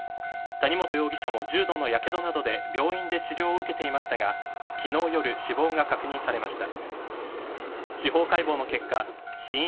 谷本容疑者も重度のやけどなどで病院で治療を受けていましたが昨日夜、死亡が確認されました。